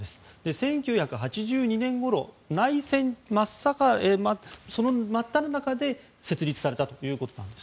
１９８２年ごろ内戦の真っただ中で設立されたということです。